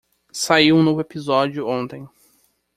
Saiu um novo episódio ontem.